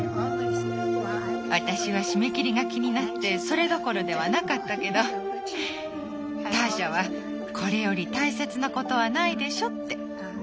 私は締め切りが気になってそれどころではなかったけどターシャは「これより大切なことはないでしょ」って。